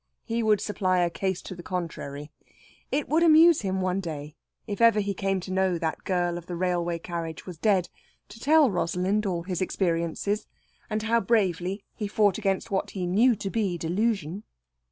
He would supply a case to the contrary. It would amuse him one day, if ever he came to know that girl of the railway carriage was dead, to tell Rosalind all his experiences, and how bravely he fought against what he knew to be delusion.